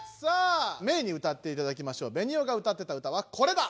メイに歌っていただきましょうベニオが歌ってた歌はこれだ！